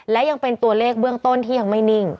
และยังเป็นตัวเลขเบื้องต้นที่ยังไม่นิ่ง